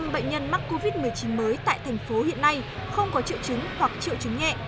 tám mươi bệnh nhân mắc covid một mươi chín mới tại tp hcm hiện nay không có triệu chứng hoặc triệu chứng nhẹ